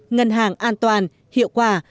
ngân hàng an toàn hiệu quả